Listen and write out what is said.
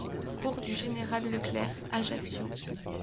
Cours du Général Leclerc, Ajaccio